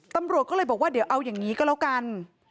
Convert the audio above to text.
ตำรวจก็เลยบอกว่าเดี๋ยวเอาอย่างนี้ก็แล้วกัน